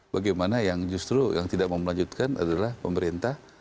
bagaimana yang justru yang tidak memlanjutkan adalah pemerintah